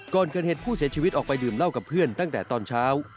ก่อนเกิดเหตุผู้เสียชีวิตออกไปดื่มเหล้ากับเพื่อนตั้งแต่ตอนเช้า